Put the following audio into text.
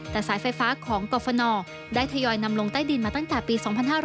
แต่สายไฟฟ้าของกรฟนได้ทยอยนำลงใต้ดินมาตั้งแต่ปี๒๕๕๙